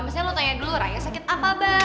maksudnya lo tanya dulu raya sakit apa abah